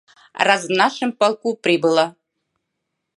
Раз в нашем полку прибыло...